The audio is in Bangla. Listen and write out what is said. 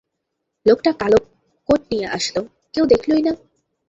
লোকটা কালো, কোট নিয়া আসলো, কেউ দেখলোই না।